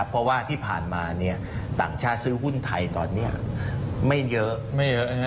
เพราะที่ผ่านมาเนี่ยต่างชาติซื้อหุ้นไทยตอนเนี่ยไม่เย้า